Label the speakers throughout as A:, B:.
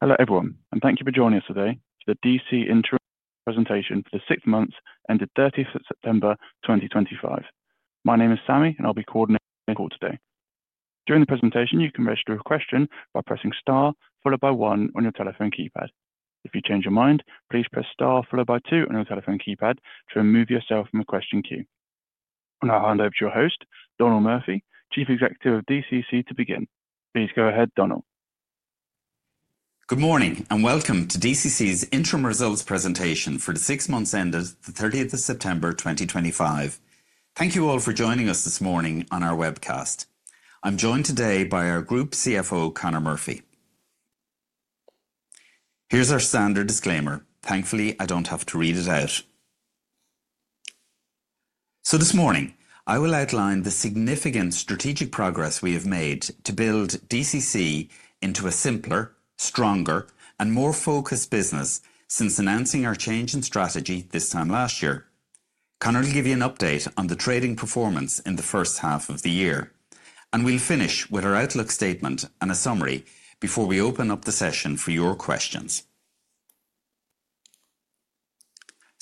A: Hello everyone, and thank you for joining us today for the DCC's Interim Results Presentation for the Six Months Ended 30th September 2025. My name is Sammy, and I'll be coordinating the call today. During the presentation, you can register a question by pressing star followed by one on your telephone keypad. If you change your mind, please press star followed by two on your telephone keypad to remove yourself from the question queue. I'll now hand over to your host, Donal Murphy, Chief Executive of DCC, to begin. Please go ahead, Donal.
B: Good morning and welcome to DCC's Interim Results Presentation for the Six Months Ended the 30th of September 2025. Thank you all for joining us this morning on our webcast. I'm joined today by our Group CFO, Conor Murphy. Here's our standard disclaimer. Thankfully, I don't have to read it out. This morning, I will outline the significant strategic progress we have made to build DCC into a simpler, stronger, and more focused business since announcing our change in strategy this time last year. Conor will give you an update on the trading performance in the first half of the year, and we'll finish with our outlook statement and a summary before we open up the session for your questions.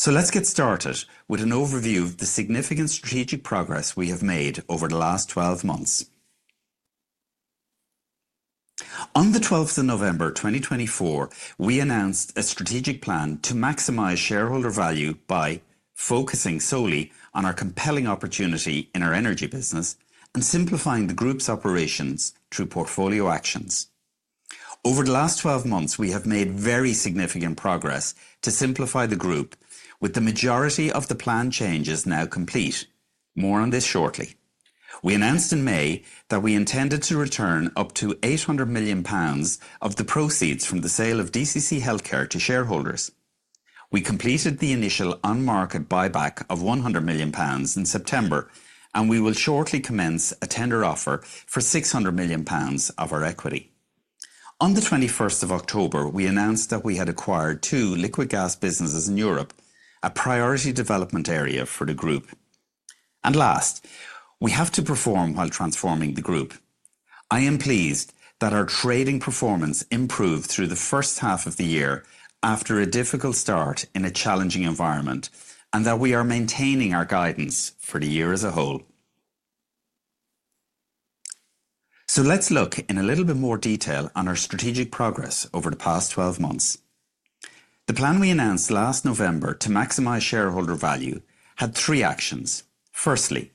B: Let's get started with an overview of the significant strategic progress we have made over the last 12 months. On the 12th of November 2024, we announced a strategic plan to maximize shareholder value by focusing solely on our compelling opportunity in our energy business and simplifying the group's operations through portfolio actions. Over the last 12 months, we have made very significant progress to simplify the group, with the majority of the planned changes now complete. More on this shortly. We announced in May that we intended to return up to 800 million pounds of the proceeds from the sale of DCC Healthcare to shareholders. We completed the initial on-market buyback of 100 million pounds in September, and we will shortly commence a tender offer for 600 million pounds of our equity. On the 21st of October, we announced that we had acquired two liquid gas businesses in Europe, a priority development area for the group. Last, we have to perform while transforming the group. I am pleased that our trading performance improved through the first half of the year after a difficult start in a challenging environment, and that we are maintaining our guidance for the year as a whole. Let's look in a little bit more detail on our strategic progress over the past 12 months. The plan we announced last November to maximize shareholder value had three actions. Firstly,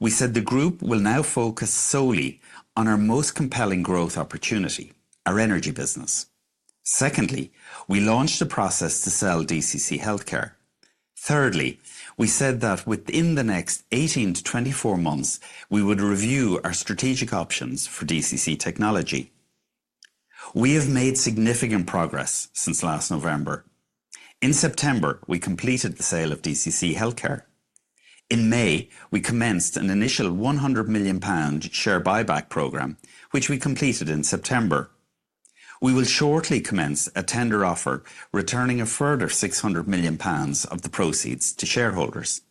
B: we said the group will now focus solely on our most compelling growth opportunity, our energy business. Secondly, we launched a process to sell DCC Healthcare. Thirdly, we said that within the next 18 to 24 months, we would review our strategic options for DCC Technology. We have made significant progress since last November. In September, we completed the sale of DCC Healthcare. In May, we commenced an initial 100 million pound share buyback program, which we completed in September. We will shortly commence a tender offer returning a further 600 million pounds of the proceeds to shareholders.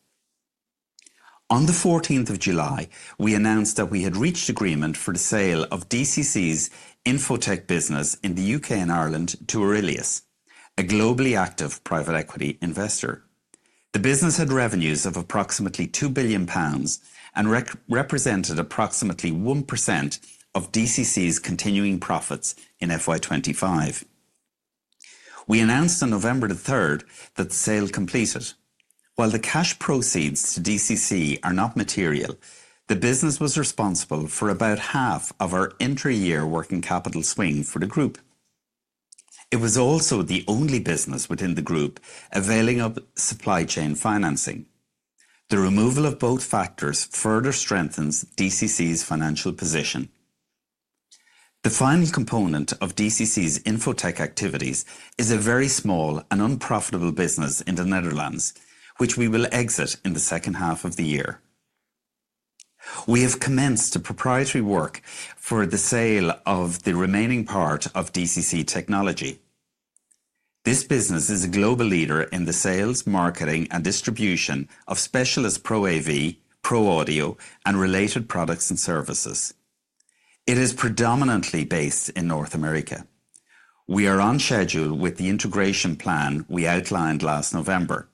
B: On the 14th of July, we announced that we had reached agreement for the sale of DCC's infotech business in the U.K. and Ireland to Aurelius, a globally active private equity investor. The business had revenues of approximately 2 billion pounds and represented approximately 1% of DCC's continuing profits in FY2025. We announced on November the 3rd that the sale completed. While the cash proceeds to DCC are not material, the business was responsible for about half of our entry year working capital swing for the group. It was also the only business within the group availing of supply chain financing. The removal of both factors further strengthens DCC's financial position. The final component of DCC's infotech activities is a very small and unprofitable business in the Netherlands, which we will exit in the second half of the year. We have commenced proprietary work for the sale of the remaining part of DCC Technology. This business is a global leader in the sales, marketing, and distribution of specialist ProAV, ProAudio, and related products and services. It is predominantly based in North America. We are on schedule with the integration plan we outlined last November.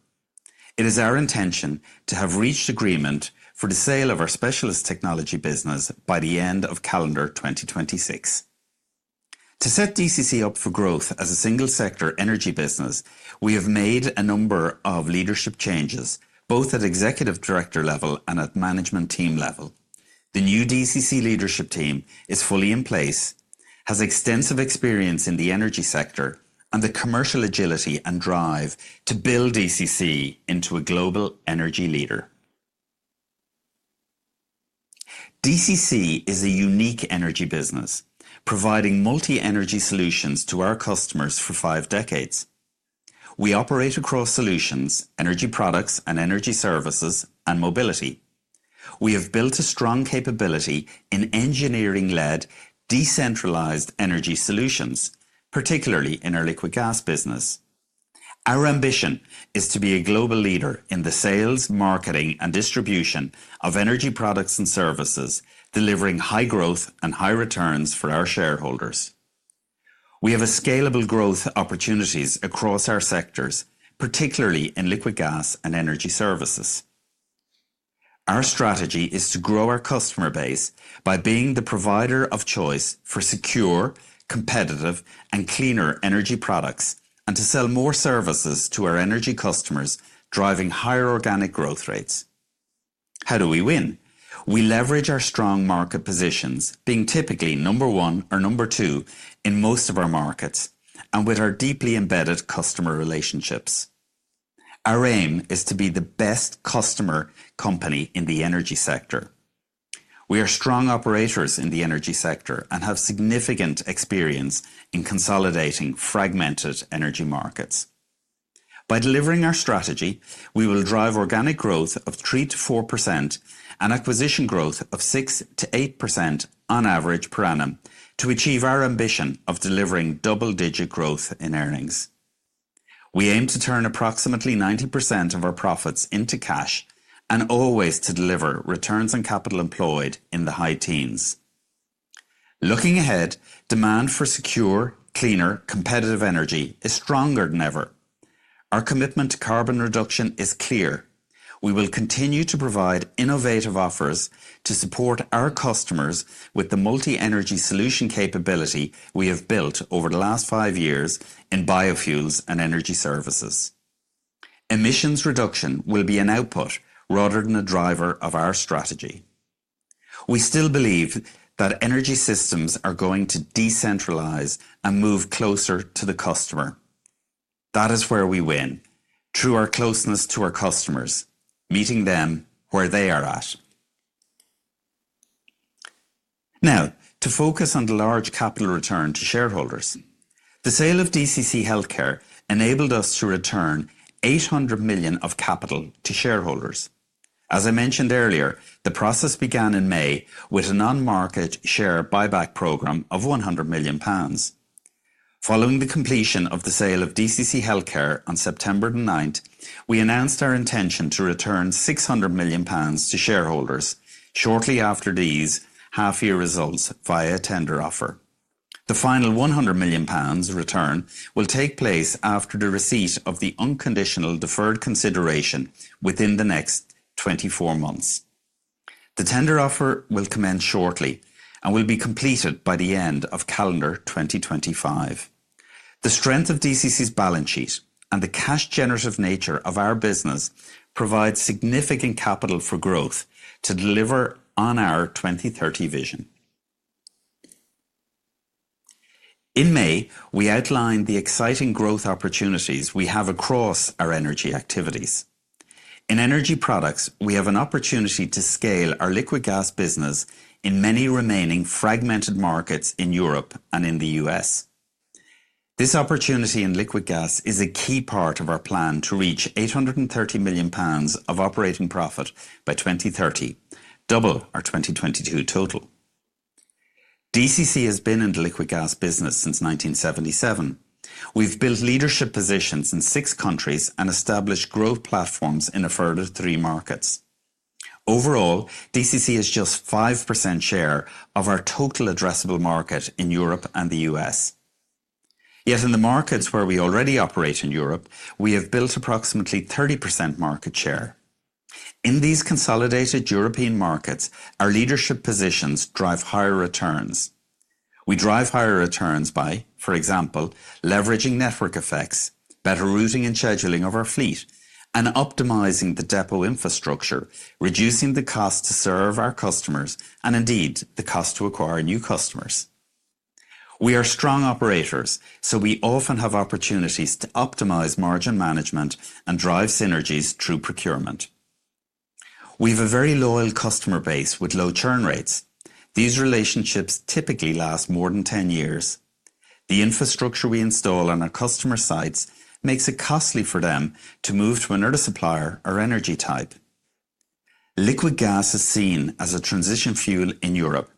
B: It is our intention to have reached agreement for the sale of our specialist technology business by the end of calendar 2026. To set DCC up for growth as a single-sector energy business, we have made a number of leadership changes, both at Executive Director level and at management team level. The new DCC leadership team is fully in place, has extensive experience in the energy sector, and the commercial agility and drive to build DCC into a global energy leader. DCC is a unique energy business, providing multi-energy solutions to our customers for five decades. We operate across solutions, energy products, and energy services, and mobility. We have built a strong capability in engineering-led decentralized energy solutions, particularly in our liquid gas business. Our ambition is to be a global leader in the sales, marketing, and distribution of energy products and services, delivering high growth and high returns for our shareholders. We have scalable growth opportunities across our sectors, particularly in liquid gas and energy services. Our strategy is to grow our customer base by being the provider of choice for secure, competitive, and cleaner energy products, and to sell more services to our energy customers, driving higher organic growth rates. How do we win? We leverage our strong market positions, being typically number one or number two in most of our markets, and with our deeply embedded customer relationships. Our aim is to be the best customer company in the energy sector. We are strong operators in the energy sector and have significant experience in consolidating fragmented energy markets. By delivering our strategy, we will drive organic growth of 3-4% and acquisition growth of 6-8% on average per annum to achieve our ambition of delivering double-digit growth in earnings. We aim to turn approximately 90% of our profits into cash and always to deliver returns on capital employed in the high teens. Looking ahead, demand for secure, cleaner, competitive energy is stronger than ever. Our commitment to carbon reduction is clear. We will continue to provide innovative offers to support our customers with the multi-energy solution capability we have built over the last five years in biofuels and energy services. Emissions reduction will be an output rather than a driver of our strategy. We still believe that energy systems are going to decentralize and move closer to the customer. That is where we win, through our closeness to our customers, meeting them where they are at. Now, to focus on the large capital return to shareholders. The sale of DCC Healthcare enabled us to return 800 million of capital to shareholders. As I mentioned earlier, the process began in May with an on-market share buyback program of 100 million pounds. Following the completion of the sale of DCC Healthcare on September 9th, we announced our intention to return 600 million pounds to shareholders shortly after these half-year results via a tender offer. The final 100 million pounds return will take place after the receipt of the unconditional deferred consideration within the next 24 months. The tender offer will commence shortly and will be completed by the end of calendar 2025. The strength of DCC's balance sheet and the cash-generative nature of our business provide significant capital for growth to deliver on our 2030 vision. In May, we outlined the exciting growth opportunities we have across our energy activities. In energy products, we have an opportunity to scale our liquid gas business in many remaining fragmented markets in Europe and in the U.S.. This opportunity in liquid gas is a key part of our plan to reach 830 million pounds of operating profit by 2030, double our 2022 total. DCC has been in the liquid gas business since 1977. We've built leadership positions in six countries and established growth platforms in a further three markets. Overall, DCC is just 5% share of our total addressable market in Europe and the U.S.. Yet in the markets where we already operate in Europe, we have built approximately 30% market share. In these consolidated European markets, our leadership positions drive higher returns. We drive higher returns by, for example, leveraging network effects, better routing and scheduling of our fleet, and optimizing the depot infrastructure, reducing the cost to serve our customers, and indeed the cost to acquire new customers. We are strong operators, so we often have opportunities to optimize margin management and drive synergies through procurement. We have a very loyal customer base with low churn rates. These relationships typically last more than 10 years. The infrastructure we install on our customer sites makes it costly for them to move to another supplier or energy type. Liquid gas is seen as a transition fuel in Europe.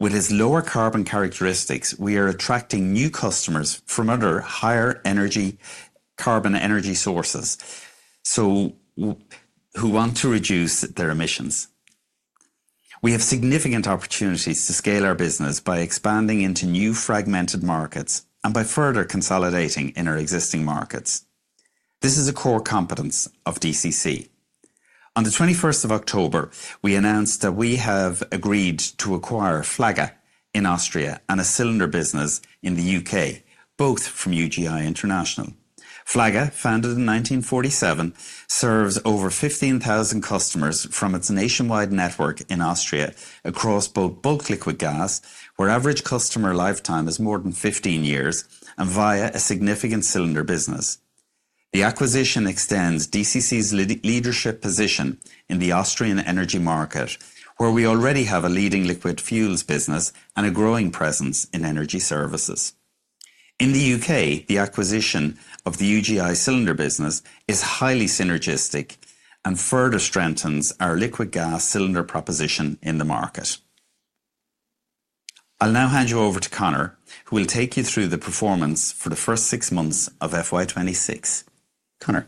B: With its lower carbon characteristics, we are attracting new customers from other higher carbon energy sources who want to reduce their emissions. We have significant opportunities to scale our business by expanding into new fragmented markets and by further consolidating in our existing markets. This is a core competence of DCC. On the 21st of October, we announced that we have agreed to acquire Flagger in Austria and a cylinder business in the U.K., both from UGI International. Flagger, founded in 1947, serves over 15,000 customers from its nationwide network in Austria across both bulk liquid gas, where average customer lifetime is more than 15 years, and via a significant cylinder business. The acquisition extends DCC's leadership position in the Austrian energy market, where we already have a leading liquid fuels business and a growing presence in energy services. In the U.K., the acquisition of the UGI cylinder business is highly synergistic and further strengthens our liquid gas cylinder proposition in the market. I'll now hand you over to Conor, who will take you through the performance for the first six months of FY2026. Conor.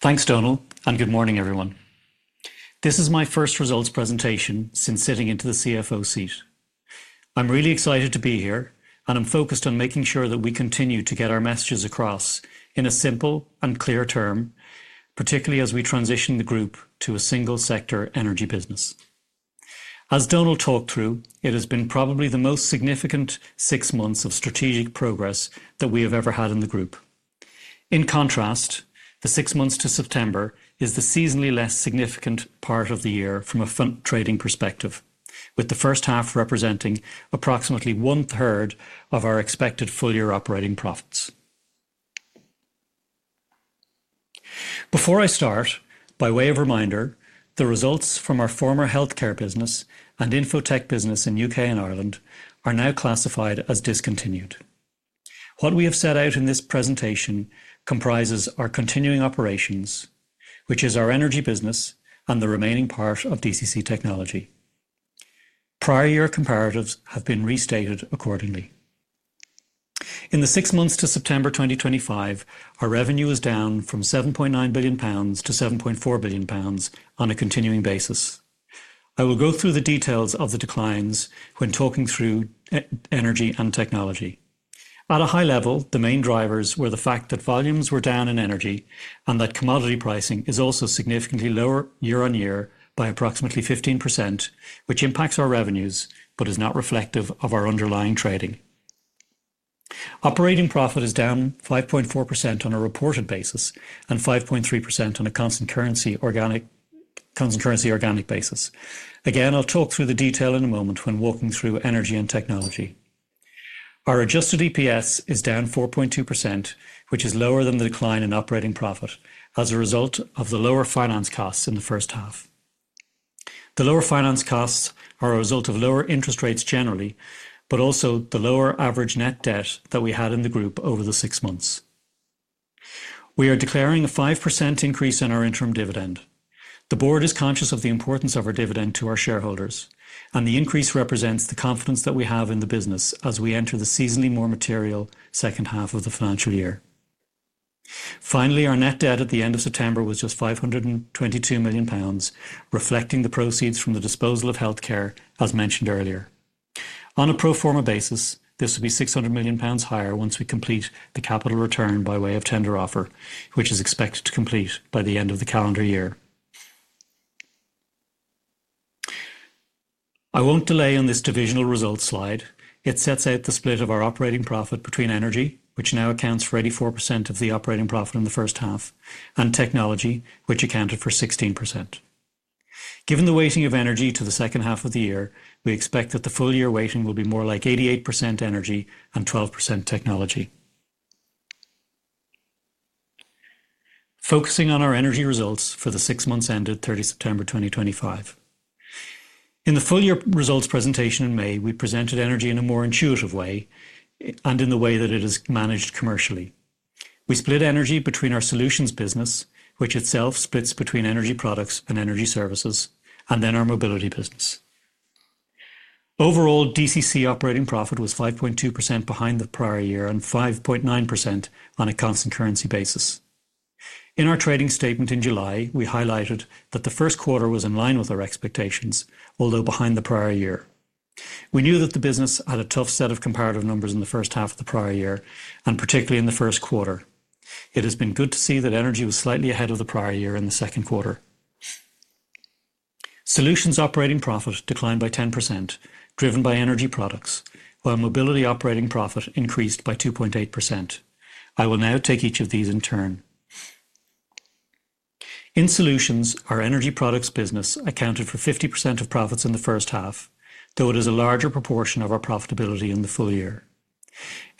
C: Thanks, Donal, and good morning, everyone. This is my first results presentation since sitting into the CFO seat. I'm really excited to be here, and I'm focused on making sure that we continue to get our messages across in a simple and clear term, particularly as we transition the group to a single-sector energy business. As Donal talked through, it has been probably the most significant six months of strategic progress that we have ever had in the group. In contrast, the six months to September is the seasonally less significant part of the year from a fund trading perspective, with the first half representing approximately one-third of our expected full-year operating profits. Before I start, by way of reminder, the results from our former healthcare business and infotech business in the U.K. and Ireland are now classified as discontinued. What we have set out in this presentation comprises our continuing operations, which is our energy business and the remaining part of DCC Technology. Prior year comparatives have been restated accordingly. In the six months to September 2025, our revenue is down from 7.9 billion pounds to 7.4 billion pounds on a continuing basis. I will go through the details of the declines when talking through energy and technology. At a high level, the main drivers were the fact that volumes were down in energy and that commodity pricing is also significantly lower year on year by approximately 15%, which impacts our revenues but is not reflective of our underlying trading. Operating profit is down 5.4% on a reported basis and 5.3% on a constant currency organic basis. Again, I'll talk through the detail in a moment when walking through energy and technology. Our adjusted EPS is down 4.2%, which is lower than the decline in operating profit as a result of the lower finance costs in the first half. The lower finance costs are a result of lower interest rates generally, but also the lower average net debt that we had in the group over the six months. We are declaring a 5% increase in our interim dividend. The board is conscious of the importance of our dividend to our shareholders, and the increase represents the confidence that we have in the business as we enter the seasonally more material second half of the financial year. Finally, our net debt at the end of September was just 522 million pounds, reflecting the proceeds from the disposal of healthcare, as mentioned earlier. On a pro forma basis, this will be 600 million pounds higher once we complete the capital return by way of tender offer, which is expected to complete by the end of the calendar year. I won't delay on this divisional results slide. It sets out the split of our operating profit between energy, which now accounts for 84% of the operating profit in the first half, and technology, which accounted for 16%. Given the weighting of energy to the second half of the year, we expect that the full-year weighting will be more like 88% energy and 12% technology. Focusing on our energy results for the six months ended 30 September 2025. In the full-year results presentation in May, we presented energy in a more intuitive way and in the way that it is managed commercially. We split energy between our solutions business, which itself splits between energy products and energy services, and then our mobility business. Overall, DCC operating profit was 5.2% behind the prior year and 5.9% on a constant currency basis. In our trading statement in July, we highlighted that the first quarter was in line with our expectations, although behind the prior year. We knew that the business had a tough set of comparative numbers in the first half of the prior year, and particularly in the first quarter. It has been good to see that energy was slightly ahead of the prior year in the second quarter. Solutions operating profit declined by 10%, driven by energy products, while mobility operating profit increased by 2.8%. I will now take each of these in turn. In solutions, our energy products business accounted for 50% of profits in the first half, though it is a larger proportion of our profitability in the full year.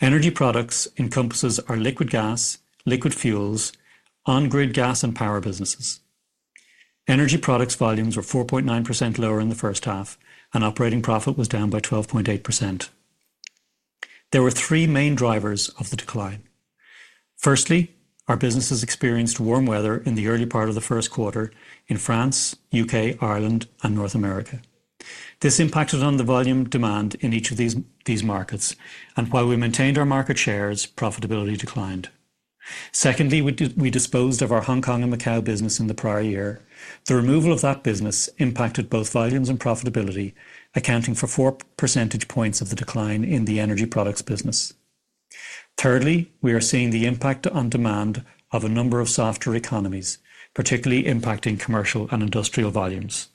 C: Energy products encompasses our liquid gas, liquid fuels, on-grid gas, and power businesses. Energy products volumes were 4.9% lower in the first half, and operating profit was down by 12.8%. There were three main drivers of the decline. Firstly, our businesses experienced warm weather in the early part of the first quarter in France, U.K., Ireland, and North America. This impacted on the volume demand in each of these markets, and while we maintained our market shares, profitability declined. Secondly, we disposed of our Hong Kong and Macau business in the prior year. The removal of that business impacted both volumes and profitability, accounting for four percentage points of the decline in the energy products business. Thirdly, we are seeing the impact on demand of a number of softer economies, particularly impacting commercial and industrial volumes.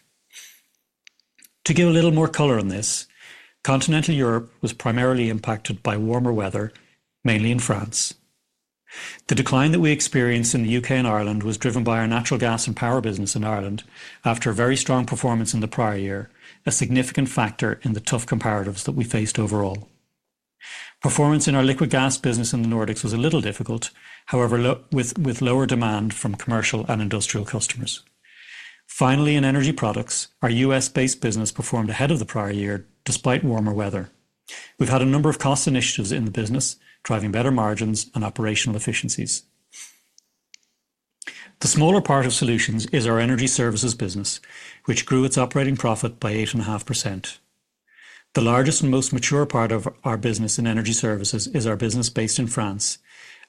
C: To give a little more color on this, continental Europe was primarily impacted by warmer weather, mainly in France. The decline that we experienced in the U.K. and Ireland was driven by our natural gas and power business in Ireland after a very strong performance in the prior year, a significant factor in the tough comparatives that we faced overall. Performance in our liquid gas business in the Nordics was a little difficult, however, with lower demand from commercial and industrial customers. Finally, in energy products, our U.S.-based business performed ahead of the prior year despite warmer weather. We've had a number of cost initiatives in the business, driving better margins and operational efficiencies. The smaller part of solutions is our energy services business, which grew its operating profit by 8.5%. The largest and most mature part of our business in energy services is our business based in France,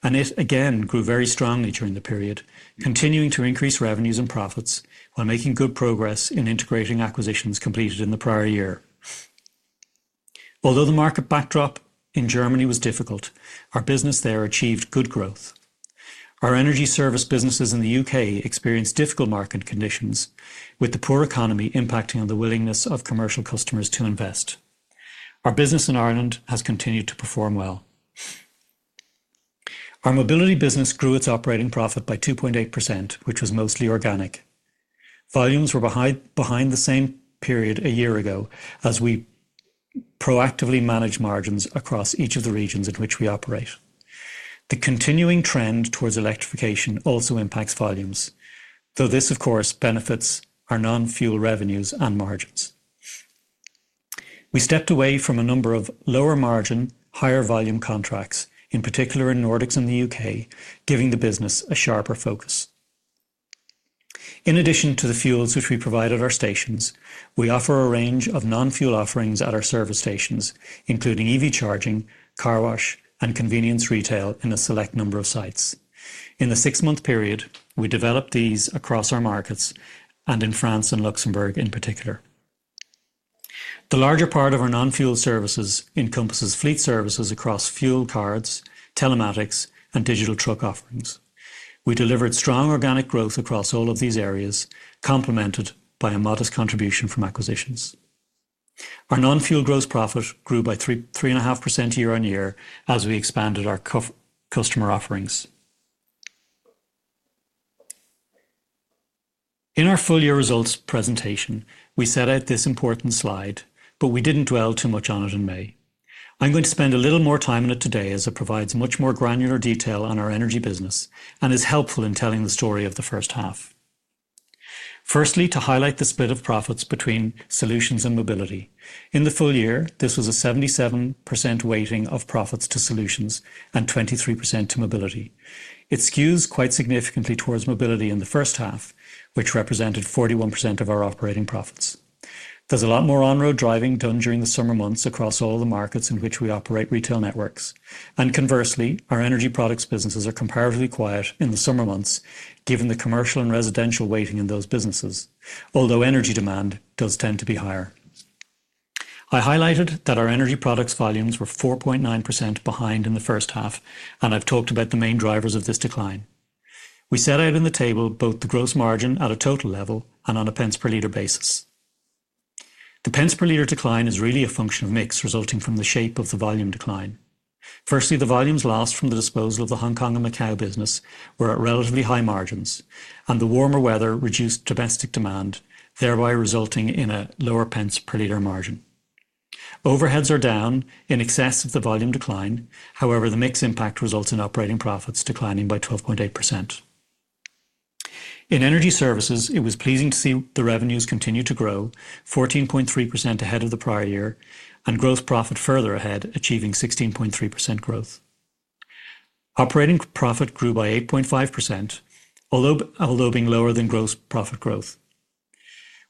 C: and it again grew very strongly during the period, continuing to increase revenues and profits while making good progress in integrating acquisitions completed in the prior year. Although the market backdrop in Germany was difficult, our business there achieved good growth. Our energy service businesses in the U.K. experienced difficult market conditions, with the poor economy impacting on the willingness of commercial customers to invest. Our business in Ireland has continued to perform well. Our mobility business grew its operating profit by 2.8%, which was mostly organic. Volumes were behind the same period a year ago, as we proactively manage margins across each of the regions in which we operate. The continuing trend towards electrification also impacts volumes, though this, of course, benefits our non-fuel revenues and margins. We stepped away from a number of lower margin, higher volume contracts, in particular in the Nordics and the U.K., giving the business a sharper focus. In addition to the fuels which we provide at our stations, we offer a range of non-fuel offerings at our service stations, including EV charging, car wash, and convenience retail in a select number of sites. In the six-month period, we developed these across our markets and in France and Luxembourg in particular. The larger part of our non-fuel services encompasses fleet services across fuel cards, telematics, and digital truck offerings. We delivered strong organic growth across all of these areas, complemented by a modest contribution from acquisitions. Our non-fuel gross profit grew by 3.5% year on year as we expanded our customer offerings. In our full-year results presentation, we set out this important slide, but we did not dwell too much on it in May. I'm going to spend a little more time on it today as it provides much more granular detail on our energy business and is helpful in telling the story of the first half. Firstly, to highlight the split of profits between solutions and mobility. In the full year, this was a 77% weighting of profits to solutions and 23% to mobility. It skews quite significantly towards mobility in the first half, which represented 41% of our operating profits. There's a lot more on-road driving done during the summer months across all the markets in which we operate retail networks. Conversely, our energy products businesses are comparatively quiet in the summer months, given the commercial and residential weighting in those businesses, although energy demand does tend to be higher. I highlighted that our energy products volumes were 4.9% behind in the first half, and I've talked about the main drivers of this decline. We set out in the table both the gross margin at a total level and on a pence per liter basis. The pence per liter decline is really a function of mix resulting from the shape of the volume decline. Firstly, the volumes lost from the disposal of the Hong Kong and Macau business were at relatively high margins, and the warmer weather reduced domestic demand, thereby resulting in a lower pence per liter margin. Overheads are down in excess of the volume decline, however, the mix impact results in operating profits declining by 12.8%. In energy services, it was pleasing to see the revenues continue to grow, 14.3% ahead of the prior year, and gross profit further ahead, achieving 16.3% growth. Operating profit grew by 8.5%, although being lower than gross profit growth.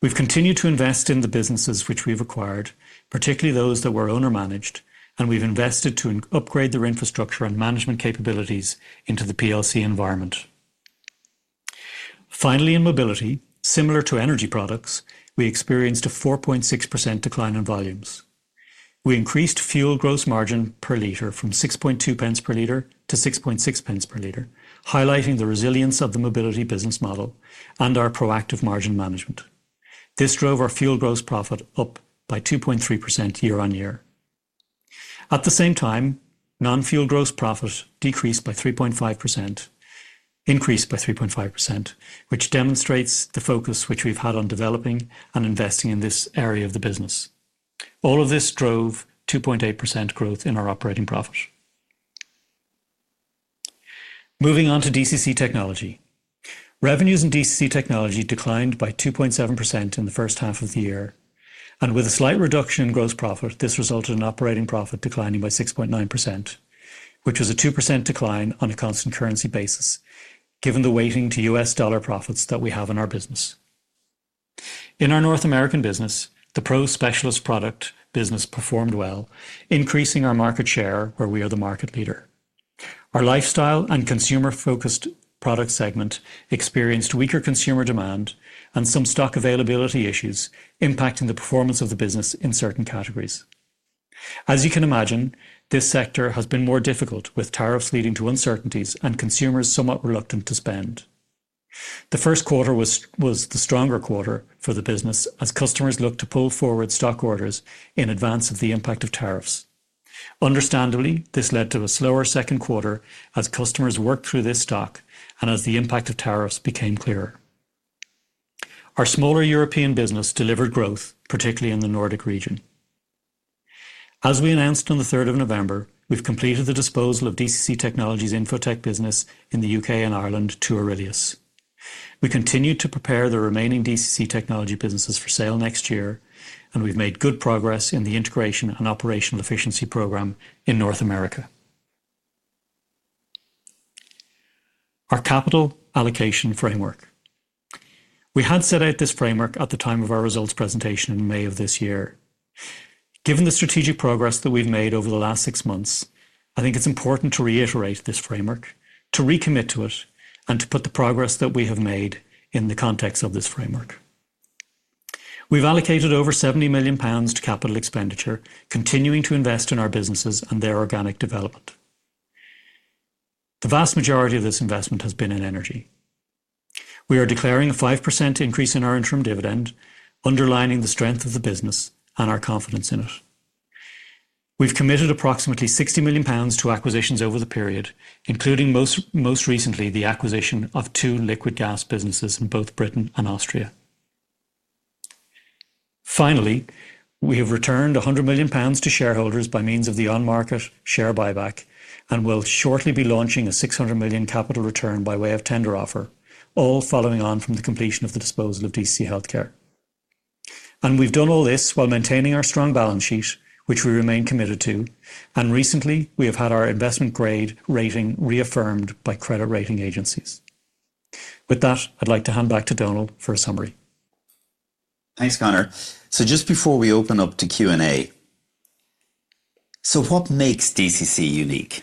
C: We've continued to invest in the businesses which we've acquired, particularly those that were owner-managed, and we've invested to upgrade their infrastructure and management capabilities into the PLC environment. Finally, in mobility, similar to energy products, we experienced a 4.6% decline in volumes. We increased fuel gross margin per liter from 0.062 per liter to 0.066 per liter, highlighting the resilience of the mobility business model and our proactive margin management. This drove our fuel gross profit up by 2.3% year on year. At the same time, non-fuel gross profit decreased by 3.5%, increased by 3.5%, which demonstrates the focus which we've had on developing and investing in this area of the business. All of this drove 2.8% growth in our operating profit. Moving on to DCC Technology. Revenues in DCC Technology declined by 2.7% in the first half of the year, and with a slight reduction in gross profit, this resulted in operating profit declining by 6.9%, which was a 2% decline on a constant currency basis, given the weighting to U.S. Dollars profits that we have in our business. In our North American business, the Pro Specialist product business performed well, increasing our market share where we are the market leader. Our lifestyle and consumer-focused product segment experienced weaker consumer demand and some stock availability issues impacting the performance of the business in certain categories. As you can imagine, this sector has been more difficult with tariffs leading to uncertainties and consumers somewhat reluctant to spend. The first quarter was the stronger quarter for the business as customers looked to pull forward stock orders in advance of the impact of tariffs. Understandably, this led to a slower second quarter as customers worked through this stock and as the impact of tariffs became clearer. Our smaller European business delivered growth, particularly in the Nordic region. As we announced on the 3rd of November, we have completed the disposal of DCC Technology's infotech business in the U.K. and Ireland to Aurelius. We continued to prepare the remaining DCC Technology businesses for sale next year, and we have made good progress in the integration and operational efficiency program in North America. Our capital allocation framework. We had set out this framework at the time of our results presentation in May of this year. Given the strategic progress that we have made over the last six months, I think it is important to reiterate this framework, to recommit to it, and to put the progress that we have made in the context of this framework. have allocated over 70 million pounds to capital expenditure, continuing to invest in our businesses and their organic development. The vast majority of this investment has been in energy. We are declaring a 5% increase in our interim dividend, underlining the strength of the business and our confidence in it. We have committed approximately 60 million pounds to acquisitions over the period, including most recently the acquisition of two liquid gas businesses in both Britain and Austria. Finally, we have returned 100 million pounds to shareholders by means of the on-market share buyback and will shortly be launching a 600 million capital return by way of tender offer, all following on from the completion of the disposal of DCC Healthcare. We have done all this while maintaining our strong balance sheet, which we remain committed to, and recently we have had our investment grade rating reaffirmed by credit rating agencies. With that, I'd like to hand back to Donal for a summary.
B: Thanks, Conor. Just before we open up to Q&A, what makes DCC unique?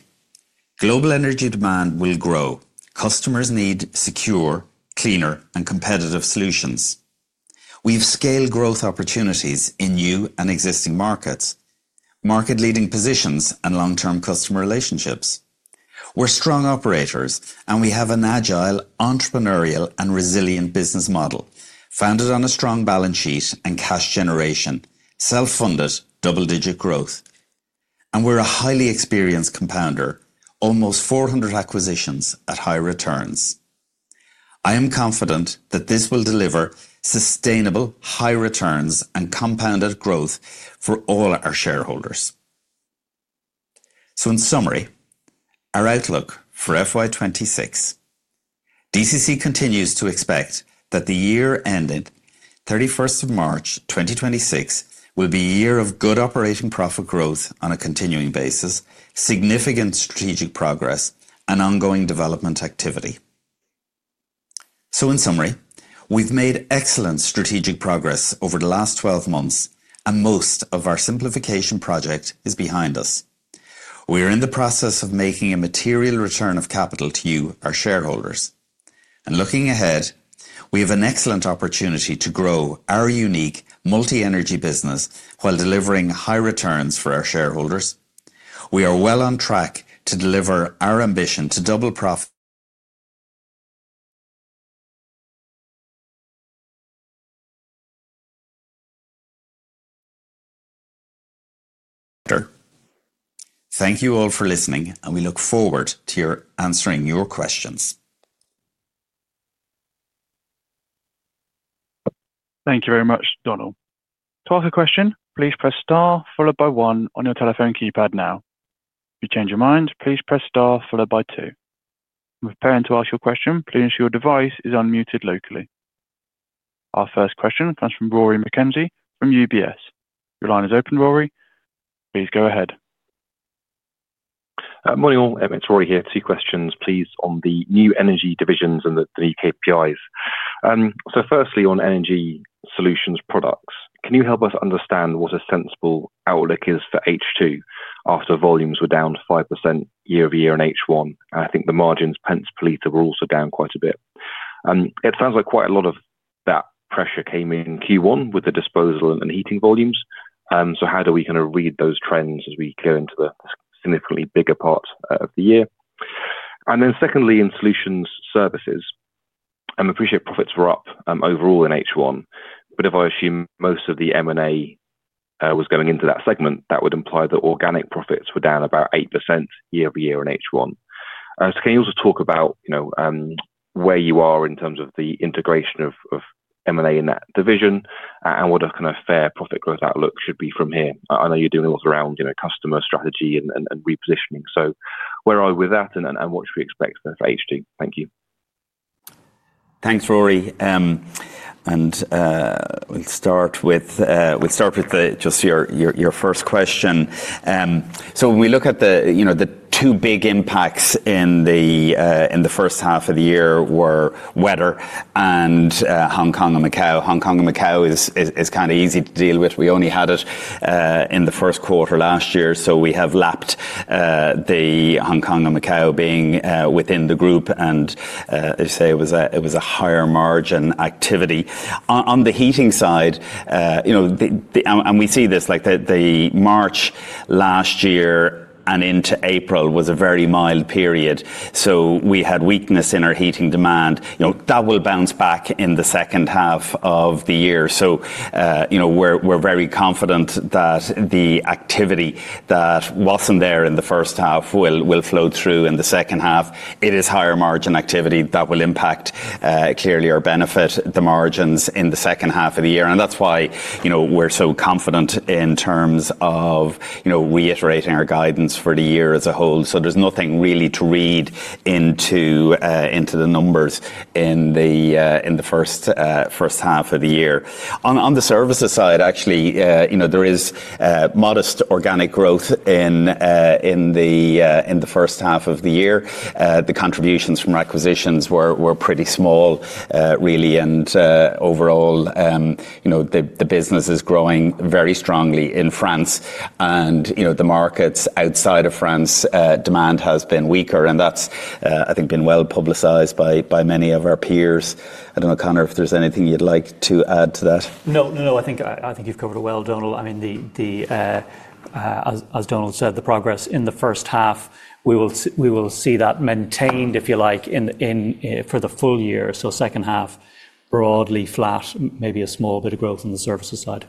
B: Global energy demand will grow. Customers need secure, cleaner, and competitive solutions. We have scaled growth opportunities in new and existing markets, market-leading positions, and long-term customer relationships. We are strong operators, and we have an agile, entrepreneurial, and resilient business model founded on a strong balance sheet and cash generation, self-funded, double-digit growth. We are a highly experienced compounder, almost 400 acquisitions at high returns. I am confident that this will deliver sustainable, high returns and compounded growth for all our shareholders. In summary, our outlook for FY2026, DCC continues to expect that the year ending 31st of March 2026 will be a year of good operating profit growth on a continuing basis, significant strategic progress, and ongoing development activity. In summary, we've made excellent strategic progress over the last 12 months, and most of our simplification project is behind us. We are in the process of making a material return of capital to you, our shareholders. Looking ahead, we have an excellent opportunity to grow our unique multi-energy business while delivering high returns for our shareholders. We are well on track to deliver our ambition to double profit. Thank you all for listening, and we look forward to answering your questions.
D: Thank you very much, Donal. To ask a question, please press star followed by one on your telephone keypad now. If you change your mind, please press star followed by two. We're preparing to ask your question. Please ensure your device is unmuted locally. Our first question comes from Rory McKenzie from UBS. Your line is open, Rory. Please go ahead.
E: Morning all. It's Rory here. Two questions, please, on the new energy divisions and the new KPIs. Firstly, on energy solutions products, can you help us understand what a sensible outlook is for H2 after volumes were down 5% year over year in H1? I think the margins, pence per liter, were also down quite a bit. It sounds like quite a lot of that pressure came in Q1 with the disposal and heating volumes. How do we kind of read those trends as we go into the significantly bigger part of the year? Secondly, in solutions services, I appreciate profits were up overall in H1, but if I assume most of the M&A was going into that segment, that would imply that organic profits were down about 8% year over year in H1. Can you also talk about where you are in terms of the integration of M&A in that division and what a kind of fair profit growth outlook should be from here? I know you're doing a lot around customer strategy and repositioning. Where are we with that and what should we expect for H2? Thank you.
B: Thanks, Rory. We'll start with just your first question. When we look at the two big impacts in the first half of the year, they were weather and Hong Kong and Macau. Hong Kong and Macau is kind of easy to deal with. We only had it in the first quarter last year, so we have lapped the Hong Kong and Macau being within the group, and as you say, it was a higher margin activity. On the heating side, we see this, the March last year and into April was a very mild period. We had weakness in our heating demand. That will bounce back in the second half of the year. We are very confident that the activity that was not there in the first half will flow through in the second half. It is higher margin activity that will impact clearly or benefit the margins in the second half of the year. That is why we are so confident in terms of reiterating our guidance for the year as a whole. There is nothing really to read into the numbers in the first half of the year. On the services side, actually, there is modest organic growth in the first half of the year. The contributions from acquisitions were pretty small, really. Overall, the business is growing very strongly in France. The markets outside of France demand has been weaker. That, I think, has been well publicized by many of our peers. I do not know, Conor, if there is anything you would like to add to that.
C: No, I think you have covered it well, Donal. I mean, as Donal said, the progress in the first half, we will see that maintained, if you like, for the full year. Second half, broadly flat, maybe a small bit of growth on the services side.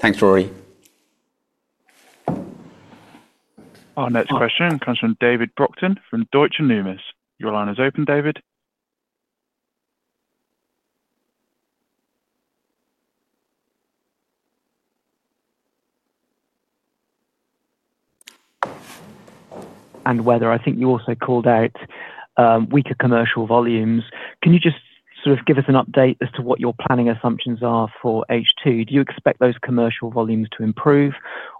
B: Thanks, Rory.
D: Our next question comes from David Brockton from Deutsche Numis. Your line is open, David.
F: Weather, I think you also called out weaker commercial volumes. Can you just sort of give us an update as to what your planning assumptions are for H2? Do you expect those commercial volumes to improve,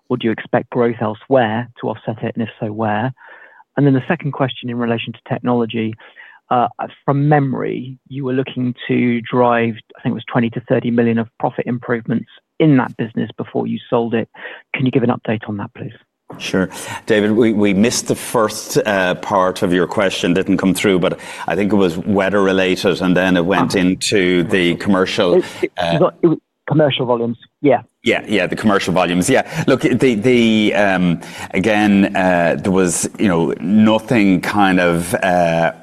F: or do you expect growth elsewhere to offset it, and if so, where? Then the second question in relation to technology. From memory, you were looking to drive, I think it was 20-30 million of profit improvements in that business before you sold it. Can you give an update on that, please?
B: Sure. David, we missed the first part of your question. It did not come through, but I think it was weather-related, and then it went into the commercial. Commercial volumes, yeah. Yeah, the commercial volumes, yeah. Look, again, there was nothing kind of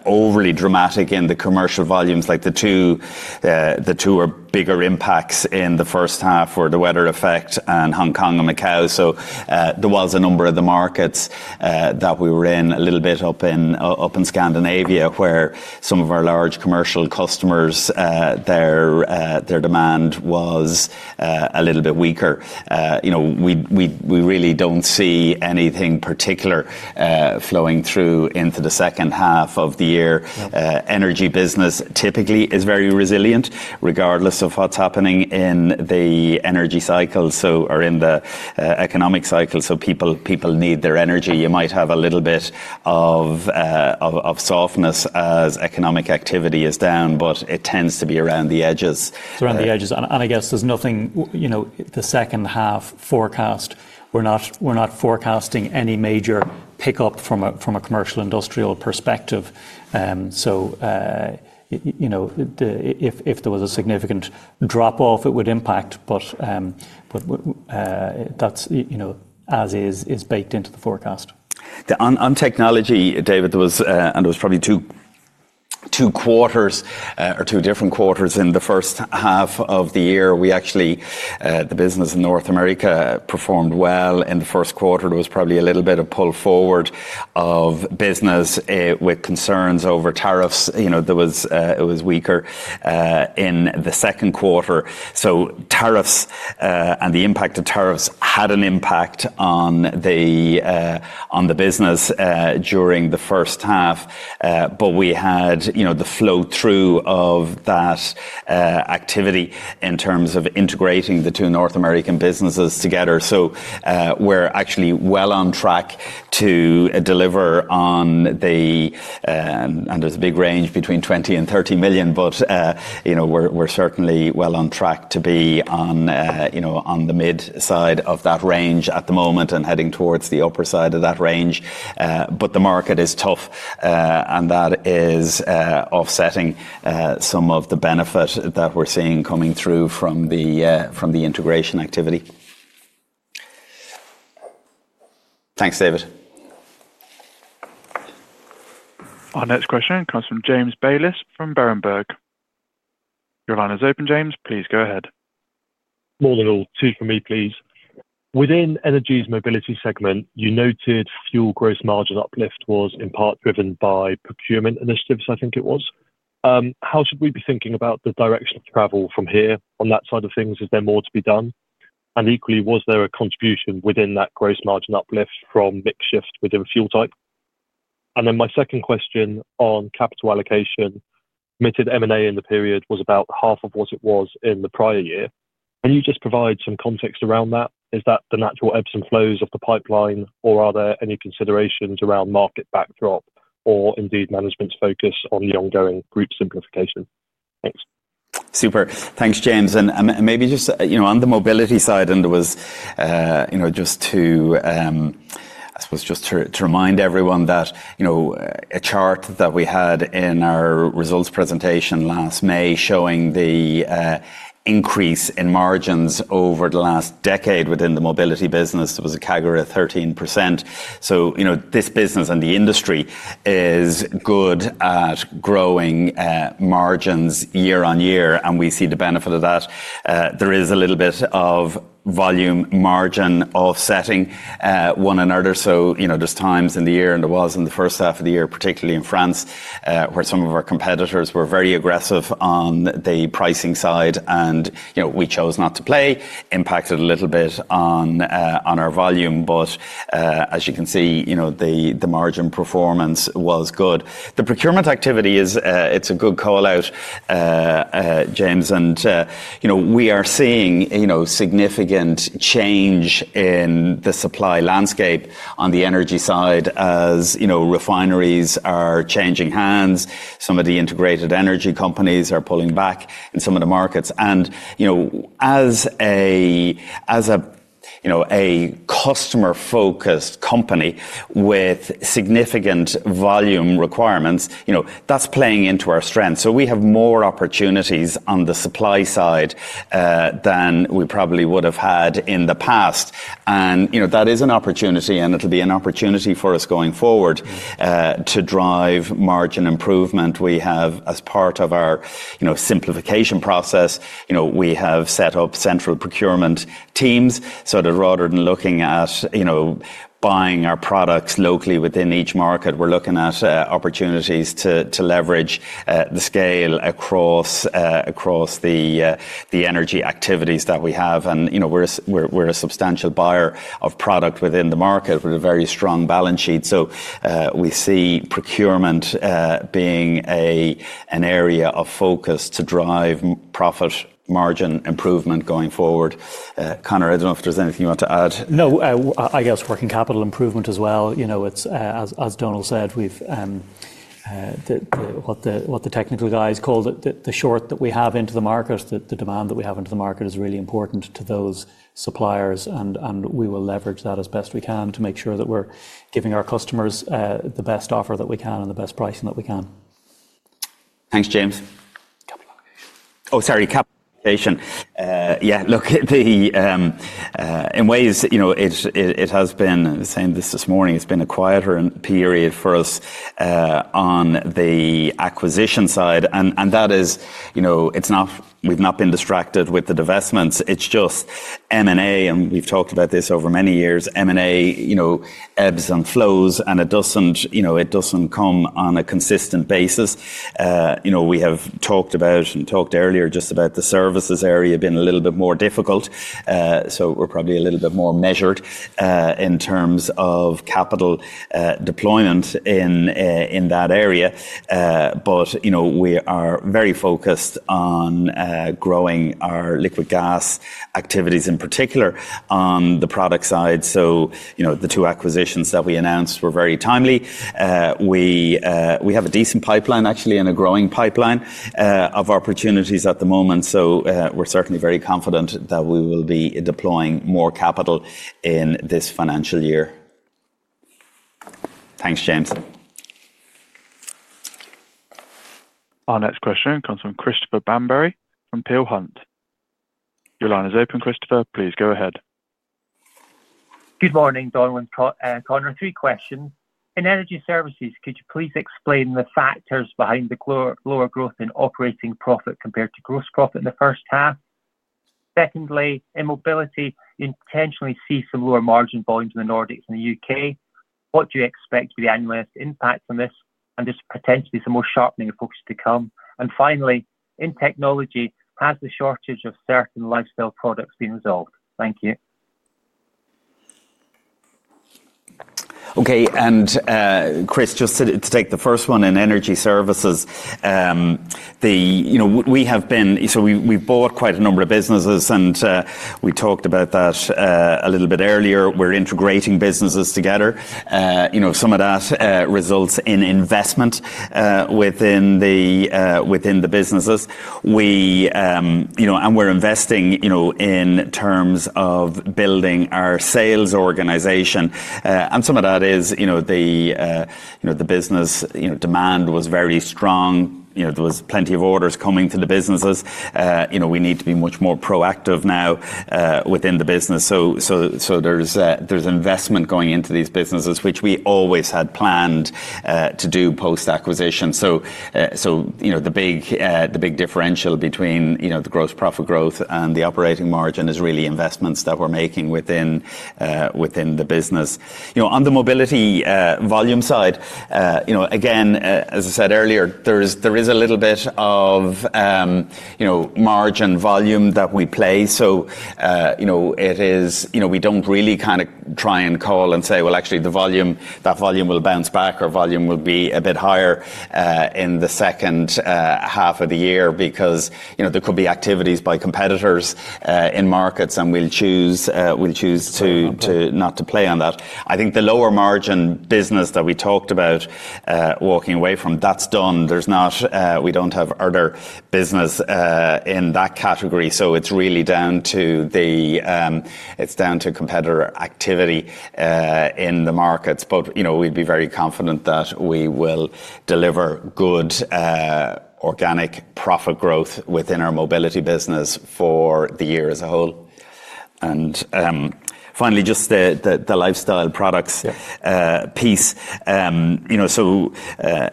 B: overly dramatic in the commercial volumes. The two bigger impacts in the first half were the weather effect and Hong Kong and Macau. There were a number of the markets that we were in, a little bit up in Scandinavia, where some of our large commercial customers, their demand was a little bit weaker. We really do not see anything particular flowing through into the second half of the year. Energy business typically is very resilient, regardless of what is happening in the energy cycle, or in the economic cycle. People need their energy. You might have a little bit of softness as economic activity is down, but it tends to be around the edges.
C: It is around the edges. I guess there is nothing in the second half forecast. We are not forecasting any major pickup from a commercial industrial perspective. If there was a significant drop-off, it would impact, but that is as is baked into the forecast.
B: On technology, David, there was, and there was probably two quarters or two different quarters in the first half of the year. We actually, the business in North America performed well in the first quarter. There was probably a little bit of pull forward of business with concerns over tariffs. It was weaker in the second quarter. Tariffs and the impact of tariffs had an impact on the business during the first half. We had the flow-through of that activity in terms of integrating the two North American businesses together. We are actually well on track to deliver on the, and there is a big range between 20-30 million, but we are certainly well on track to be on the mid-side of that range at the moment and heading towards the upper side of that range. The market is tough, and that is offsetting some of the benefit that we are seeing coming through from the integration activity. Thanks, David.
D: Our next question comes from James Bayliss from Berenberg. Your line is open, James. Please go ahead.
G: Morning all. Two for me, please. Within energy's mobility segment, you noted fuel gross margin uplift was in part driven by procurement initiatives, I think it was. How should we be thinking about the direction of travel from here on that side of things? Is there more to be done? Equally, was there a contribution within that gross margin uplift from mix shift within a fuel type? My second question on capital allocation, committed M&A in the period was about half of what it was in the prior year. Can you just provide some context around that? Is that the natural ebbs and flows of the pipeline, or are there any considerations around market backdrop or indeed management's focus on the ongoing group simplification? Thanks.
B: Super. Thanks, James. Maybe just on the mobility side, it was just to, I suppose, just to remind everyone that a chart that we had in our results presentation last May showing the increase in margins over the last decade within the mobility business, it was a CAGR of 13%. This business and the industry is good at growing margins year on year, and we see the benefit of that. There is a little bit of volume margin offsetting one another. There are times in the year, and there was in the first half of the year, particularly in France, where some of our competitors were very aggressive on the pricing side, and we chose not to play. Impacted a little bit on our volume, but as you can see, the margin performance was good. The procurement activity is, it's a good call out, James. We are seeing significant change in the supply landscape on the energy side as refineries are changing hands. Some of the integrated energy companies are pulling back in some of the markets. As a customer-focused company with significant volume requirements, that is playing into our strengths. We have more opportunities on the supply side than we probably would have had in the past. That is an opportunity, and it will be an opportunity for us going forward to drive margin improvement. As part of our simplification process, we have set up central procurement teams. Rather than looking at buying our products locally within each market, we are looking at opportunities to leverage the scale across the energy activities that we have. We are a substantial buyer of product within the market with a very strong balance sheet. We see procurement being an area of focus to drive profit margin improvement going forward. Conor, I do not know if there is anything you want to add.
C: No, I guess working capital improvement as well. As Donal said, what the technical guys call the short that we have into the market, the demand that we have into the market is really important to those suppliers. We will leverage that as best we can to make sure that we are giving our customers the best offer that we can and the best pricing that we can.
B: Thanks, James.
G: Capital allocation.
B: Oh, sorry, capital allocation. In ways, it has been, saying this this morning, it has been a quieter period for us on the acquisition side. That is, we have not been distracted with the divestments. is just M&A, and we have talked about this over many years, M&A ebbs and flows, and it does not come on a consistent basis. We have talked about and talked earlier just about the services area being a little bit more difficult. We are probably a little bit more measured in terms of capital deployment in that area. We are very focused on growing our liquid gas activities, in particular on the product side. The two acquisitions that we announced were very timely. We have a decent pipeline, actually, and a growing pipeline of opportunities at the moment. We are certainly very confident that we will be deploying more capital in this financial year. Thanks, James.
D: Our next question comes from Christopher Bamberry from Peel Hunt. Your line is open, Christopher. Please go ahead.
H: Good morning, Donal and Conor. Three questions. In energy services, could you please explain the factors behind the lower growth in operating profit compared to gross profit in the first half? Secondly, in mobility, you intentionally see some lower margin volumes in the Nordics and the U.K. What do you expect to be the analyst impact on this? Is potentially some more sharpening of focus to come? Finally, in technology, has the shortage of certain lifestyle products been resolved? Thank you.
B: Okay. Chris, just to take the first one in energy services, we have been, so we bought quite a number of businesses, and we talked about that a little bit earlier. We are integrating businesses together. Some of that results in investment within the businesses. We are investing in terms of building our sales organization. Some of that is the business demand was very strong. There was plenty of orders coming to the businesses. We need to be much more proactive now within the business. There is investment going into these businesses, which we always had planned to do post-acquisition. The big differential between the gross profit growth and the operating margin is really investments that we are making within the business. On the mobility volume side, again, as I said earlier, there is a little bit of margin volume that we play. It is, we do not really kind of try and call and say, "Actually, that volume will bounce back," or, "Volume will be a bit higher in the second half of the year," because there could be activities by competitors in markets, and we will choose to not to play on that. I think the lower margin business that we talked about walking away from, that is done. We do not have other business in that category. It is really down to the, it is down to competitor activity in the markets. We would be very confident that we will deliver good organic profit growth within our mobility business for the year as a whole. Finally, just the lifestyle products piece.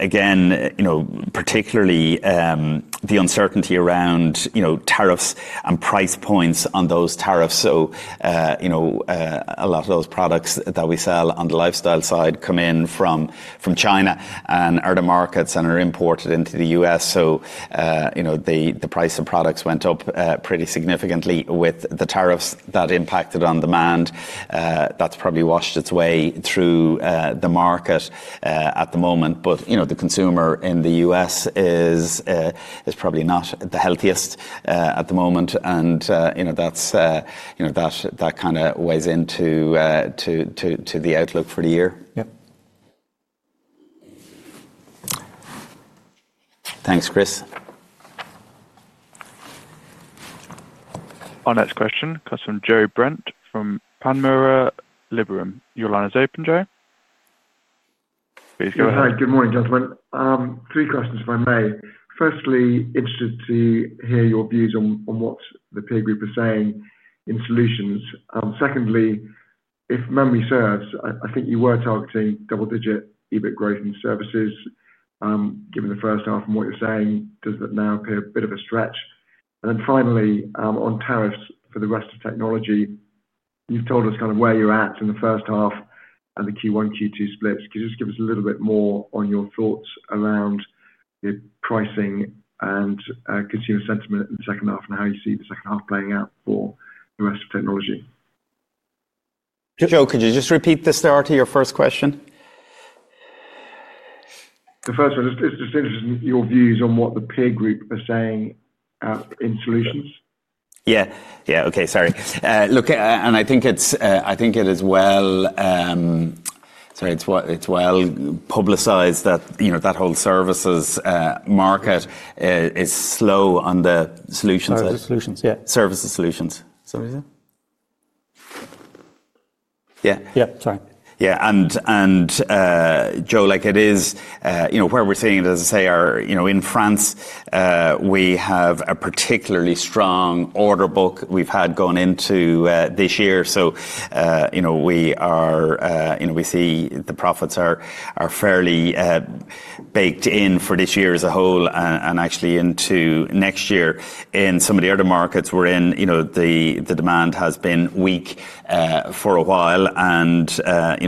B: Again, particularly the uncertainty around tariffs and price points on those tariffs. A lot of those products that we sell on the lifestyle side come in from China and other markets and are imported into the U.S. The price of products went up pretty significantly with the tariffs. That impacted on demand. That has probably washed its way through the market at the moment. The consumer in the U.S. is probably not the healthiest at the moment. That kind of weighs into the outlook for the year. Yep. Thanks, Chris.
D: Our next question comes from Joe Brent from Panmure Liberum. Your line is open, Joe. Please go ahead.
I: Hi, good morning, gentlemen. Three questions, if I may. Firstly, interested to hear your views on what the peer group is saying in solutions. Secondly, if memory serves, I think you were targeting double-digit EBIT growth in services. Given the first half and what you're saying, does that now appear a bit of a stretch? And then finally, on tariffs for the rest of technology, you've told us kind of where you're at in the first half and the Q1, Q2 splits. Could you just give us a little bit more on your thoughts around the pricing and consumer sentiment in the second half and how you see the second half playing out for the rest of technology?
B: Joe, could you just repeat the start of your first question?
I: The first one, it's just interesting, your views on what the peer group are saying in solutions.
B: Yeah. Okay. Sorry. Look, I think it is, well, sorry, it's well publicized that that whole services market is slow on the solutions.
C: Services solutions.
B: Yeah. Services solutions. Yeah.
C: Sorry.
B: Yeah. And Joe, like it is, where we're seeing it, as I say, in France, we have a particularly strong order book we've had going into this year. We see the profits are fairly baked in for this year as a whole and actually into next year. In some of the other markets we're in, the demand has been weak for a while, and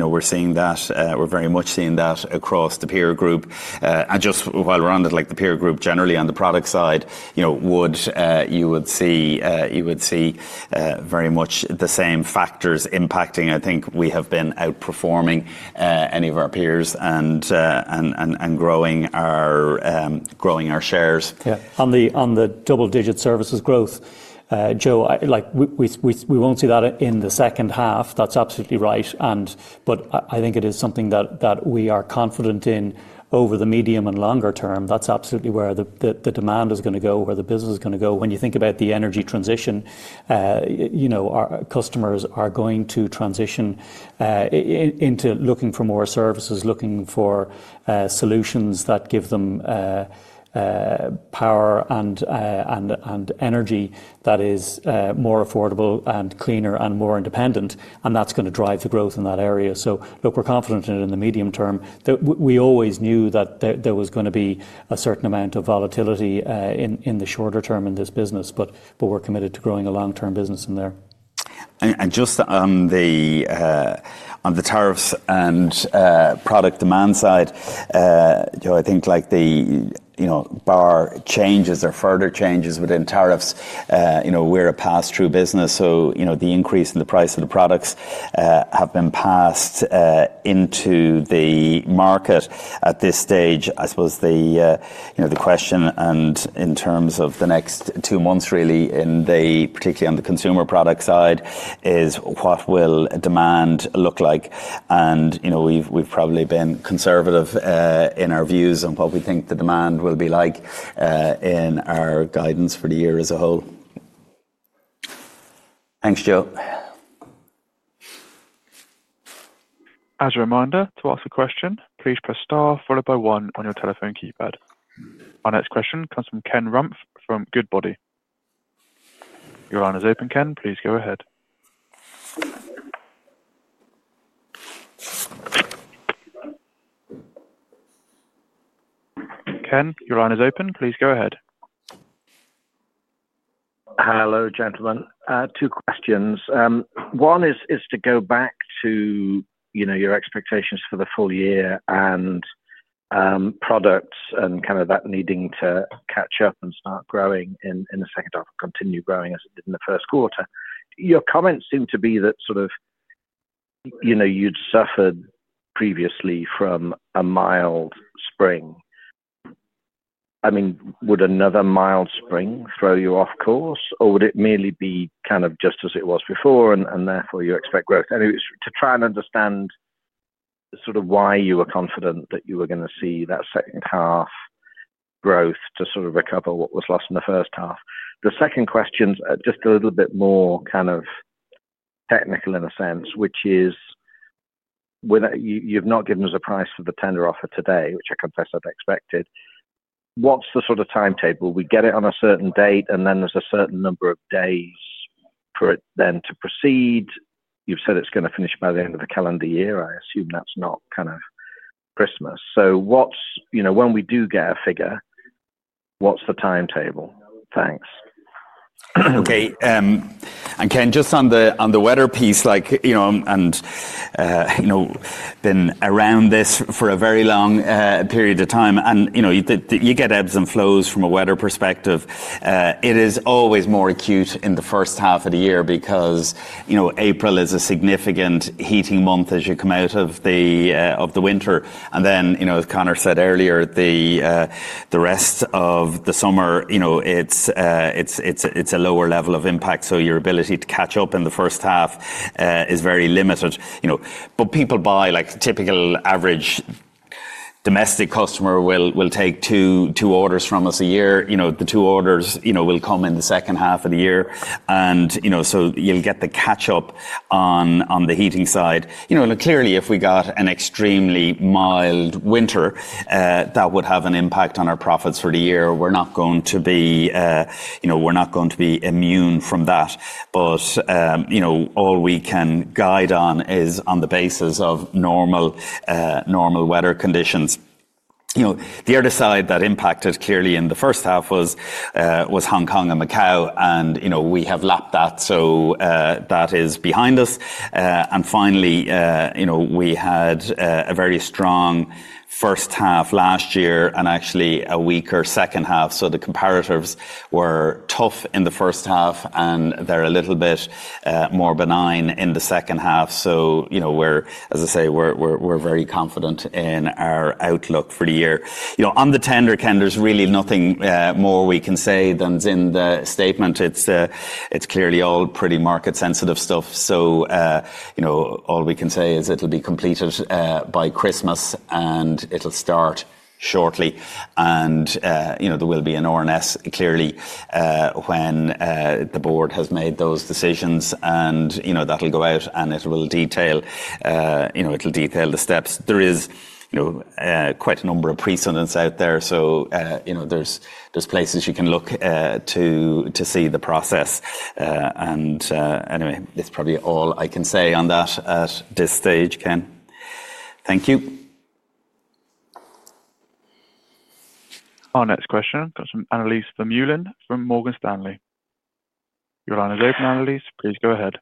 B: we're seeing that, we're very much seeing that across the peer group. Just while we're on it, like the peer group generally on the product side, you would see very much the same factors impacting. I think we have been outperforming any of our peers and growing our shares.
C: Yeah. On the double-digit services growth, Joe, we won't see that in the second half. That's absolutely right. I think it is something that we are confident in over the medium and longer term. That is absolutely where the demand is going to go, where the business is going to go. When you think about the energy transition, our customers are going to transition into looking for more services, looking for solutions that give them power and energy that is more affordable and cleaner and more independent. That is going to drive the growth in that area. Look, we're confident in it in the medium term. We always knew that there was going to be a certain amount of volatility in the shorter term in this business, but we're committed to growing a long-term business in there.
B: Just on the tariffs and product demand side, Joe, I think the bar changes or further changes within tariffs. We're a pass-through business. The increase in the price of the products has been passed into the market at this stage. I suppose the question, and in terms of the next two months, really, particularly on the consumer product side, is what will demand look like? We've probably been conservative in our views on what we think the demand will be like in our guidance for the year as a whole. Thanks, Joe.
D: As a reminder, to ask a question, please press star followed by one on your telephone keypad. Our next question comes from Ken Rumph from Goodbody. Your line is open, Ken. Please go ahead. Ken, your line is open. Please go ahead.
J: Hello, gentlemen. Two questions. One is to go back to your expectations for the full year and products and kind of that needing to catch up and start growing in the second half and continue growing as it did in the first quarter. Your comments seem to be that sort of you'd suffered previously from a mild spring. I mean, would another mild spring throw you off course, or would it merely be kind of just as it was before, and therefore you expect growth? It was to try and understand sort of why you were confident that you were going to see that second half growth to sort of recover what was lost in the first half. The second question's just a little bit more kind of technical in a sense, which is you've not given us a price for the tender offer today, which I confess I'd expected. What's the sort of timetable? We get it on a certain date, and then there's a certain number of days for it then to proceed. You've said it's going to finish by the end of the calendar year. I assume that's not kind of Christmas. When we do get a figure, what's the timetable? Thanks.
B: Okay. Ken, just on the weather piece, and I've been around this for a very long period of time, and you get ebbs and flows from a weather perspective. It is always more acute in the first half of the year because April is a significant heating month as you come out of the winter. As Conor said earlier, the rest of the summer, it's a lower level of impact. Your ability to catch up in the first half is very limited. People buy, like typical average domestic customer will take two orders from us a year. The two orders will come in the second half of the year. You will get the catch-up on the heating side. Clearly, if we got an extremely mild winter, that would have an impact on our profits for the year. We are not going to be immune from that. All we can guide on is on the basis of normal weather conditions. The other side that impacted clearly in the first half was Hong Kong and Macau, and we have lapped that, so that is behind us. Finally, we had a very strong first half last year and actually a weaker second half. The comparatives were tough in the first half, and they are a little bit more benign in the second half. We are, as I say, very confident in our outlook for the year. On the tender, Ken, there is really nothing more we can say than in the statement. It is clearly all pretty market-sensitive stuff. All we can say is it will be completed by Christmas, and it will start shortly. There will be an ONS clearly when the board has made those decisions, and that will go out, and it will detail the steps. There is quite a number of precedents out there, so there are places you can look to see the process. Anyway, that is probably all I can say on that at this stage, Ken. Thank you.
D: Our next question comes from Annelies Vermeulen from Morgan Stanley. Your line is open, Annelies. Please go ahead.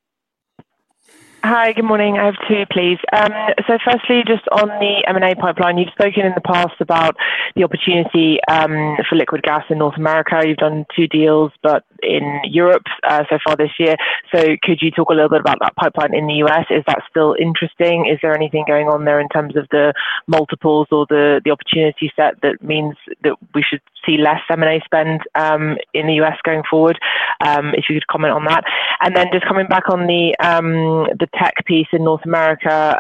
K: Hi, good morning. I have two, please. Firstly, just on the M&A pipeline, you've spoken in the past about the opportunity for liquid gas in North America. You've done two deals, but in Europe so far this year. Could you talk a little bit about that pipeline in the U.S.? Is that still interesting? Is there anything going on there in terms of the multiples or the opportunity set that means that we should see less M&A spend in the U.S. going forward? If you could comment on that. Just coming back on the tech piece in North America,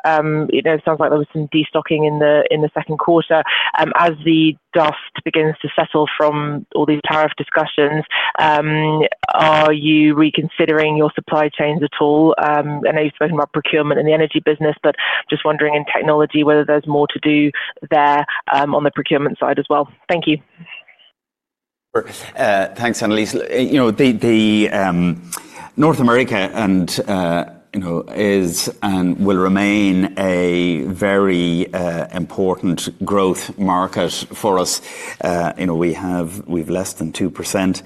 K: it sounds like there was some destocking in the second quarter. As the dust begins to settle from all these tariff discussions, are you reconsidering your supply chains at all? I know you've spoken about procurement in the energy business, but just wondering in technology whether there's more to do there on the procurement side as well. Thank you.
B: Thanks, Annelies. North America is and will remain a very important growth market for us. We have less than 2%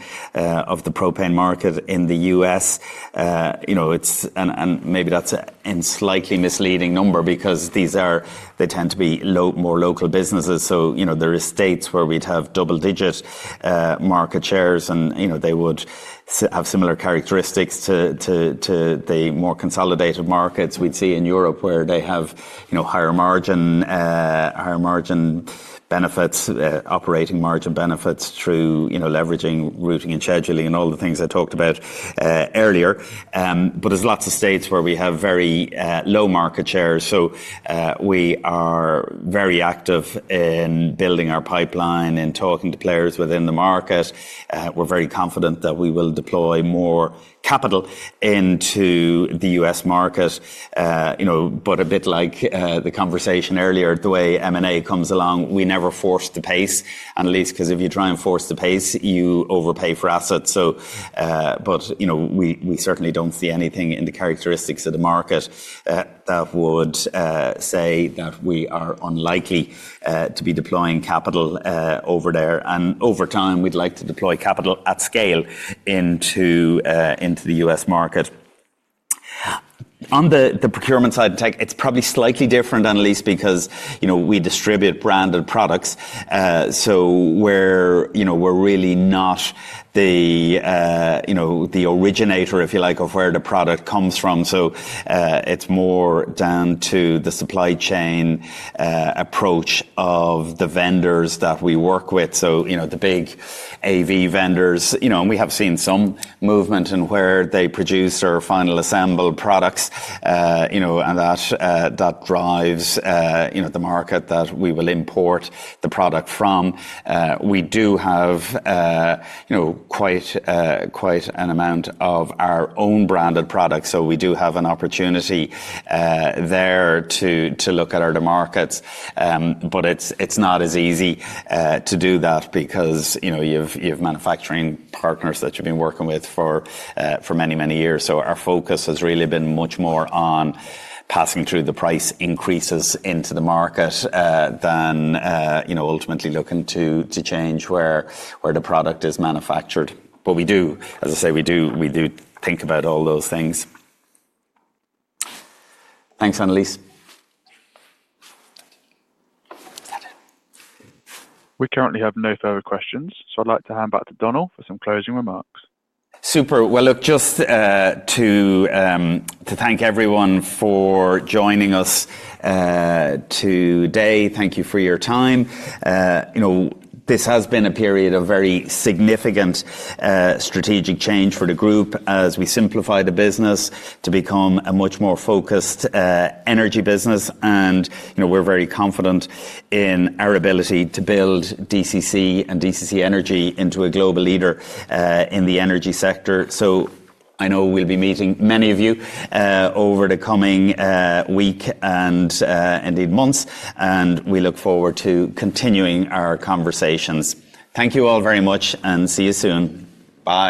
B: of the propane market in the U.S.. That may be a slightly misleading number because they tend to be more local businesses. There are states where we have double-digit market shares, and they would have similar characteristics to the more consolidated markets we see in Europe where they have higher margin benefits, operating margin benefits through leveraging routing and scheduling and all the things I talked about earlier. There are lots of states where we have very low market shares. We are very active in building our pipeline and talking to players within the market. We are very confident that we will deploy more capital into the U.S. market. A bit like the conversation earlier, the way M&A comes along, we never force the pace, Annelies, because if you try and force the pace, you overpay for assets. We certainly do not see anything in the characteristics of the market that would say that we are unlikely to be deploying capital over there. Over time, we would like to deploy capital at scale into the U.S. market. On the procurement side of tech, it is probably slightly different, Annelies, because we distribute branded products. We are really not the originator, if you like, of where the product comes from. It is more down to the supply chain approach of the vendors that we work with. The big AV vendors, and we have seen some movement in where they produce or final assemble products, and that drives the market that we will import the product from. We do have quite an amount of our own branded products. We do have an opportunity there to look at other markets. It is not as easy to do that because you have manufacturing partners that you have been working with for many, many years. Our focus has really been much more on passing through the price increases into the market than ultimately looking to change where the product is manufactured. We do, as I say, we do think about all those things. Thanks, Annelies.
D: We currently have no further questions. I would like to hand back to Donal for some closing remarks.
B: Super. Just to thank everyone for joining us today. Thank you for your time. This has been a period of very significant strategic change for the group as we simplify the business to become a much more focused energy business. We are very confident in our ability to build DCC and DCC Energy into a global leader in the energy sector. I know we will be meeting many of you over the coming week and indeed months, and we look forward to continuing our conversations. Thank you all very much, and see you soon. Bye.